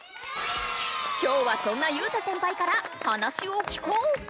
今日はそんな裕太先輩から話を聞こう！